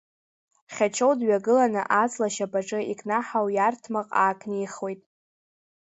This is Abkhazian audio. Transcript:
Хьачоу дҩагыланы аҵла ашьапаҿы икнаҳау иарҭмаҟ аакнихуеит.